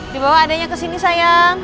di bawah adanya kesini sayang